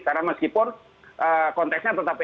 karena meskipun konteksnya tetap psbb